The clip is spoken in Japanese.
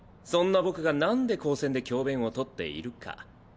そんな僕がなんで高専で教鞭をとっているか。